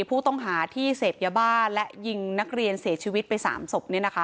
ผู้ต้องหาที่เสพยาบ้าและยิงนักเรียนเสียชีวิตไป๓ศพ